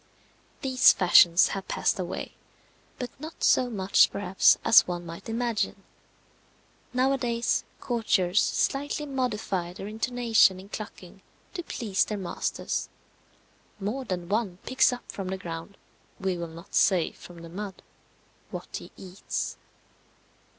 These fashions have passed away; but not so much, perhaps, as one might imagine. Nowadays, courtiers slightly modify their intonation in clucking to please their masters. More than one picks up from the ground we will not say from the mud what he eats.